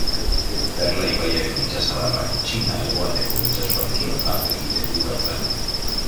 Perla ibaiaren itsasadarrak Txina Hegoaldeko itsasoarekin bat egiten du bertan.